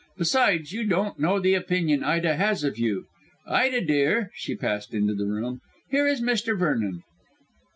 Besides, you don't know the opinion Ida has of you. Ida, dear," she passed into the room, "here is Mr. Vernon."